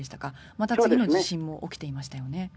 また次の地震も起きていましたよね。